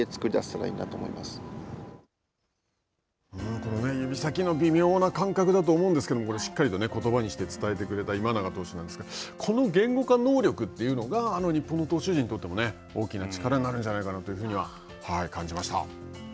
この指先の微妙な感覚だと思うんですけども、これ、しっかりとことばで伝えてくれた今永投手なんですけれども、この言語化能力というのが日本投手陣にとっても大きな力になるんじゃないかなと感じました。